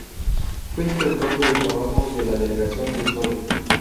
Fue inspector de trabajo de la Delegación de Soria.